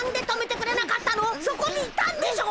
そこにいたんでしょ！